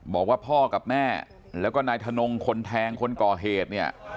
บอกว่าพ่อกับแม่แล้วก็นายถนงคนแทงคนก่อเหตุเนี่ย